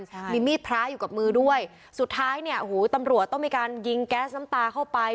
ใช่มีมีดพระอยู่กับมือด้วยสุดท้ายเนี่ยหูตำรวจต้องมีการยิงแก๊สน้ำตาเข้าไป